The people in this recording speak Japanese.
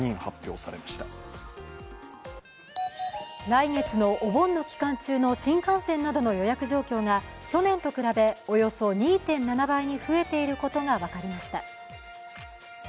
来月のお盆の期間中の新幹線などの予約状況が去年と比べ、およそ２．７倍に増えていることが分かりました。